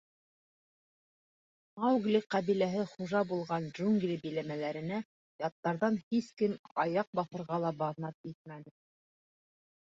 Маугли ҡәбиләһе хужа булған джунгли биләмәләренә яттарҙан һис кем аяҡ баҫырға ла баҙнат итмәне.